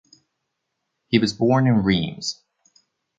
He was born in Reims.